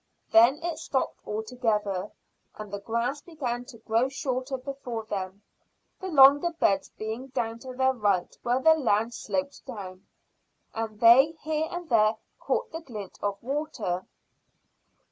Then it stopped altogether, and the grass began to grow shorter before them, the longer beds being down to their right where the land sloped down, and they here and there caught the glint of water.